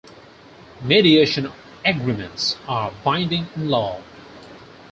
Mediation agreements are binding in law.